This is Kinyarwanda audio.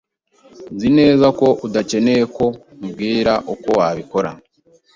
Nzi neza ko udakeneye ko nkubwira uko wabikora.